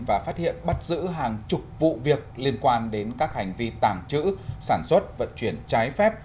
và phát hiện bắt giữ hàng chục vụ việc liên quan đến các hành vi tàng trữ sản xuất vận chuyển trái phép